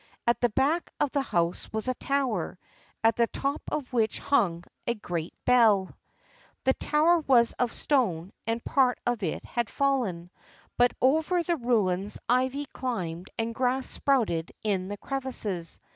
At the back of the house was a tower, at the top of which hung a great bell. 38 THE FKIENDSHIP OF ANNE The tower was of stone and part of it had fallen, but over the ruins ivy climbed and grass sprouted in the crevices.